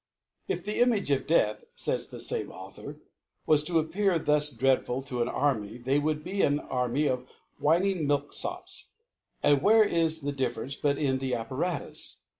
If the Image of Death, fays the fame * Author, was to appear ihus dreadful to * an Army, tlicy would be an Army of * whining Milk fops ; and where is the * DiQercrxeLut in the Appara us